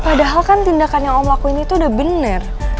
padahal kan tindakan yang om lakuin itu udah benar